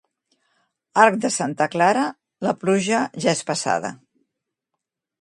Arc de santa Clara, la pluja ja és passada.